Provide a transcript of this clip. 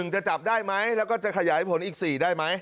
จะจับได้ไหมแล้วก็จะขยายผลอีก๔ได้ไหม